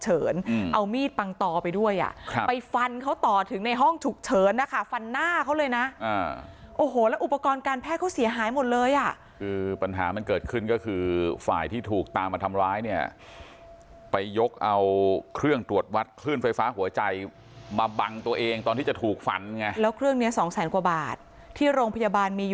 เอามีดปังต่อไปด้วยอ่ะครับไปฟันเขาต่อถึงในห้องฉุกเฉินนะคะฟันหน้าเขาเลยนะโอ้โหแล้วอุปกรณ์การแพทย์เขาเสียหายหมดเลยอ่ะคือปัญหามันเกิดขึ้นก็คือฝ่ายที่ถูกตามมาทำร้ายเนี่ยไปยกเอาเครื่องตรวจวัดคลื่นไฟฟ้าหัวใจมาบังตัวเองตอนที่จะถูกฟันไงแล้วเครื่องเนี้ยสองแสนกว่าบาทที่โรงพยาบาลมี